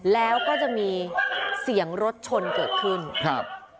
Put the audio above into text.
แล้วก็จะมีเสียงรถชนเกิดขึ้นครับ